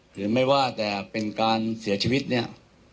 หรือไม่ว่าแต่เป็นการเสียชีวิตเนี่ย